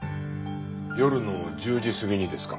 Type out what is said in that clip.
夜の１０時過ぎにですか？